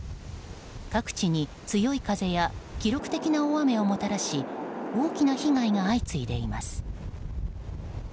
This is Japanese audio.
各地に強い風や記録的な大雨をもたらし大きな被害が相次いでいます。